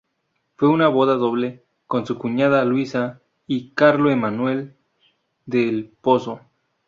Fue una boda doble, con su cuñada Luisa y Carlo Emanuele dal Pozzo.